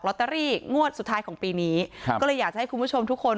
ตเตอรี่งวดสุดท้ายของปีนี้ครับก็เลยอยากจะให้คุณผู้ชมทุกคน